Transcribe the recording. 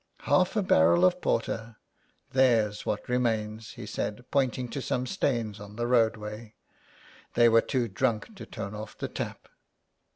Haifa barrel of porter; there's what remains," he said, pointing to some stains on the roadway. '' They w^ere too drunk to turn off the tap."